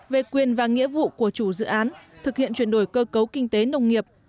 về quyền và nghĩa vụ của chủ dự án thực hiện chuyển đổi cơ cấu kinh tế nông nghiệp